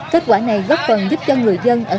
kết quả này góp phần giúp cho người dân